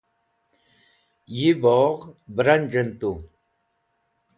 yi bogh branj̃'en tu